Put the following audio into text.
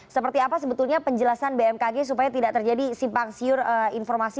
seperti apa sebetulnya penjelasan bmkg supaya tidak terjadi simpang siur informasi